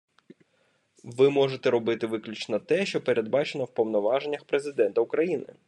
Ви можете робити виключно те, що передбачено в повноваженнях Президента України.